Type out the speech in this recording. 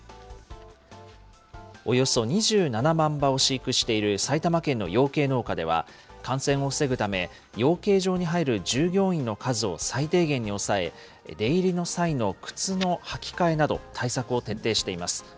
およそ２７万羽を飼育している埼玉県の養鶏農家では、感染を防ぐため、養鶏場に入る従業員の数を最低限に抑え、出入りの際の靴の履き替えなど、対策を徹底しています。